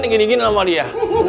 digini gini sama dia